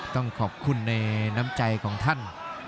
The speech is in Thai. ต้องขอบคุณในน้ำใจของท่าน